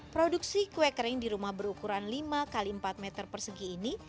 produksi kue kering di rumah berukuran lima x empat meter persegi ini